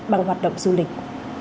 bằng hoạt động du lịch